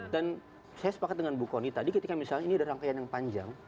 dan saya sepakat dengan bu kony tadi ketika misalnya ini ada rangkaian yang panjang